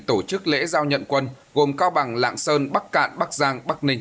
tổ chức lễ giao nhận quân gồm cao bằng lạng sơn bắc cạn bắc giang bắc ninh